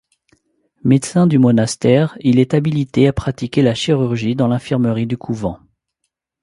Médecin du monastère, il est habilité à pratiquer la chirurgie dans l'infirmerie du couvent.